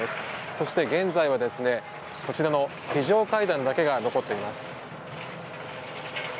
そして、現在はこちらの非常階段だけが残っています。